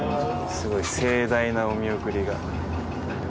すごい盛大なお見送りが。